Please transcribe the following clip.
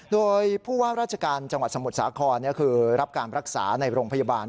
โดยผู้ว่าราชการจังหวัดสมุทรสาครคือรับการรักษาในโรงพยาบาล